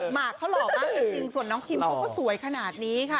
หมากเขาหล่อมากจริงส่วนน้องคิมเขาก็สวยขนาดนี้ค่ะ